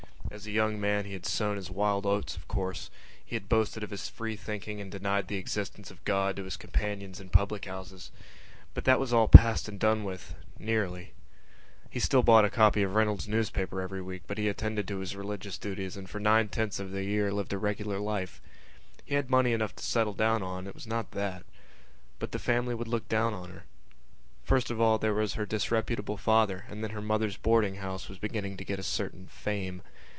As a young man he had sown his wild oats, of course; he had boasted of his free thinking and denied the existence of God to his companions in public houses. But that was all passed and done with ... nearly. He still bought a copy of Reynolds's Newspaper every week but he attended to his religious duties and for nine tenths of the year lived a regular life. He had money enough to settle down on; it was not that. But the family would look down on her. First of all there was her disreputable father and then her mother's boarding house was beginning to get a certain fame.